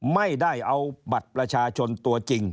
ไม่ได้เอาบัตรประชาชนตัวจริง